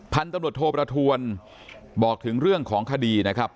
พันธุ์ตำรวจโทประทวนบอกถึงเรื่องของคดีนะครับ